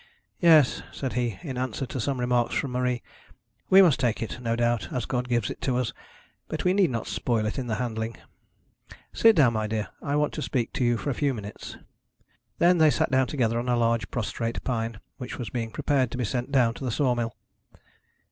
'Yes,' said he, in answer to some remarks from Marie, 'we must take it, no doubt, as God gives it to us, but we need not spoil it in the handling. Sit down, my dear; I want to speak to you for a few minutes.' Then they sat down together on a large prostrate pine, which was being prepared to be sent down to the saw mill.